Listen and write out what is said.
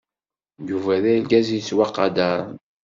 Yuba d argaz yettwaqadren.